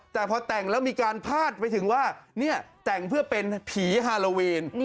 แต่พอแต่งแล้วมีการพาดไปถึงว่าเนี่ยแต่งเพื่อเป็นผีฮาโลวีน